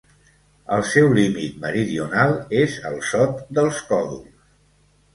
El seu límit meridional és el Sot dels Còdols.